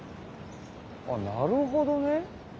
あっなるほどね。